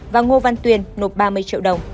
và ngô văn tuyên nộp ba mươi triệu đồng